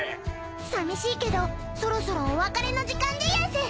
さみしいけどそろそろお別れの時間でやんす。